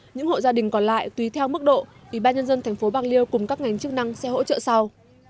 những hộ gia đình còn lại tùy theo mức độ ủy ban nhân dân tp bạc liêu cùng các ngành chức năng sẽ hỗ trợ sau